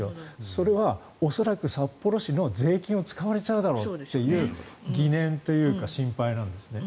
それは恐らく、札幌市の税金を使われちゃうだろうという疑念というか心配なんですね。